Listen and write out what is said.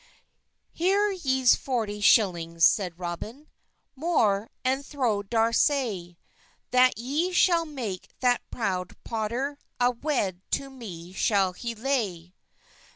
"Her ys forty shillings," seyde Roben, "Mor, and thow dar say, That y schall make that prowde potter, A wed to me schall he ley."